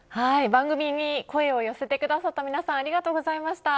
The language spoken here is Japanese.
番組に声を寄せてくださった皆さんありがとうございました。